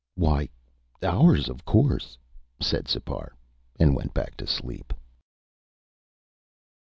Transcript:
"Why, ours, of course," said Sipar, and went back to sleep.